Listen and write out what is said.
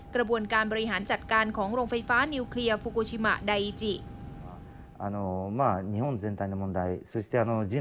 กระบวนการบริหารจัดการของโรงไฟฟ้านิวเคลียร์ฟูกูชิมะไดจิ